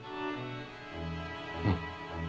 うん。